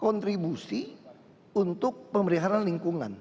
kontribusi untuk pemeriharaan lingkungan